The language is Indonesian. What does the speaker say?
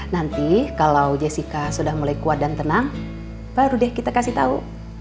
nanti kalau jessica sudah mulai kuat dan tenang baru deh kita kasih tahu